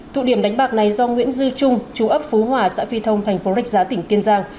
thụ điểm đánh bạc này do nguyễn dư trung chú ấp phú hòa xã phi thông thành phố rạch giá tỉnh kiên giang